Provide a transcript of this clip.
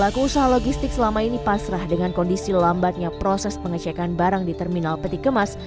pelaku usaha logistik selama ini pasrah dengan kondisi lambatnya proses pengecekan barang di terminal peti kemas